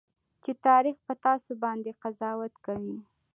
چې تاريخ به تاسو باندې قضاوت کوي.